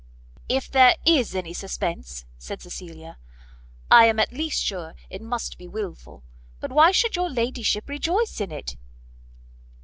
"If there is any suspence," said Cecilia, "I am at least sure it must be wilful. But why should your ladyship rejoice in it?"